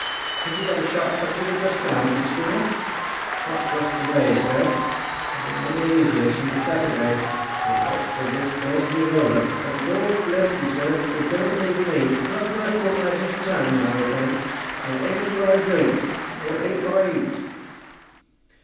"Have you got a sharp touch of it just now, Mr. Stringer?" "Not just to day, sir. I've been a little easier since Saturday. The worst of this burst is over. But Lord bless you, sir, it don't leave me, not for a fortnight at a time, now; it don't. And it ain't what I drink, nor it ain't what I eat."